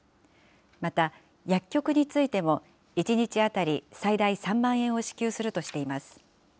また、薬局についても、１日当たり最大３万円を支給するとしています。